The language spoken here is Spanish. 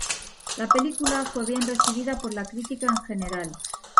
La película fue bien recibida por la crítica en general.